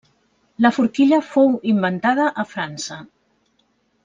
La forquilla fou inventada a França.